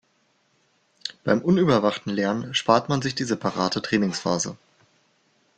Beim unüberwachten Lernen spart man sich die separate Trainingsphase.